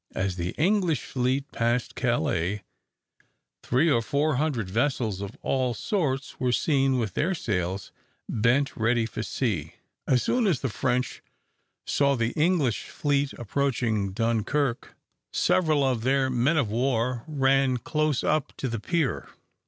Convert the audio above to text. As the English fleet passed Calais, three or four hundred vessels of all sorts were seen with their sails bent ready for sea. As soon as the French saw the English fleet approaching Dunkirk, several of their men of war ran close up to the pier.